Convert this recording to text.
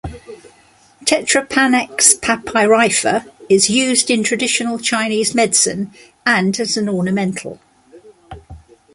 "Tetrapanax papyrifer" is used in traditional Chinese medicine and as an ornamental.